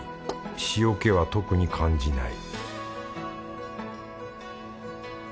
塩気は特に感じない